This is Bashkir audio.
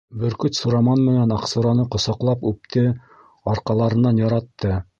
Бөркөт Сураман менән Аҡсураны ҡосаҡлап үпте, арҡаларынан яратты.